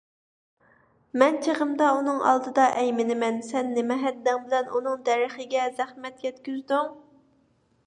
مەن چېغىمدا ئۇنىڭ ئالدىدا ئەيمىنىمەن، سەن نېمە ھەددىڭ بىلەن ئۇنىڭ دەرىخىگە زەخمەت يەتكۈزدۈڭ؟